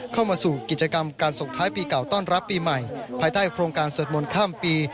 เข้ามาสู่กิจกรรมการส่งท้ายปีเก่าต้อนรับปีใหม่ภายใต้โครงการสวดมนต์ข้ามปี